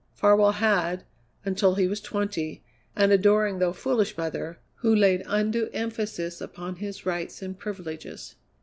Farwell had, until he was twenty, an adoring though foolish mother, who laid undue emphasis upon his rights and privileges.